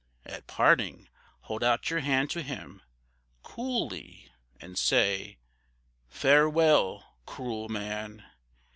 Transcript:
At parting, hold out your hand to him, coolly, and say, "Farewell, cruel man!"